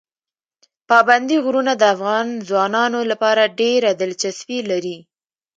پابندي غرونه د افغان ځوانانو لپاره ډېره دلچسپي لري.